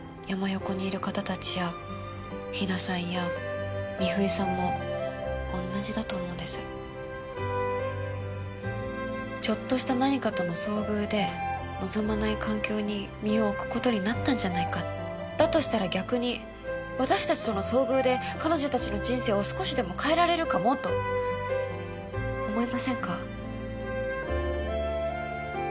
ヨコにいる方達やひなさんや美冬さんも同じだと思うんですちょっとした何かとの遭遇で望まない環境に身を置くことになったんじゃないかだとしたら逆に私達との遭遇で彼女達の人生を少しでも変えられるかもと思いませんか？